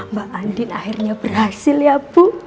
mbak andin akhirnya berhasil ya bu